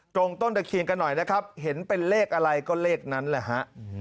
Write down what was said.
ต้นตะเคียนกันหน่อยนะครับเห็นเป็นเลขอะไรก็เลขนั้นแหละฮะ